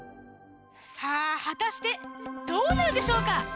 さあはたしてどうなるでしょうか？